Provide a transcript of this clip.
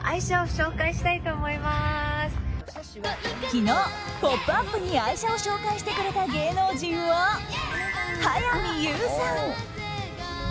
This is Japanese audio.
昨日、「ポップＵＰ！」に愛車を紹介してくれた芸能人は早見優さん。